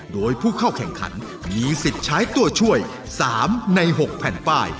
โดยผู้เข้าแข่งขันมีสิทธิ์ใช้ตัวช่วย๓ใน๖แผ่นป้าย